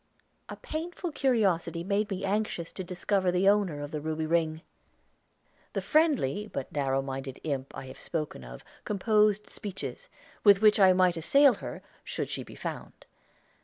A painful curiosity made me anxious to discover the owner of the ruby ring! The friendly but narrow minded imp I have spoken of composed speeches, with which I might assail her, should she be found.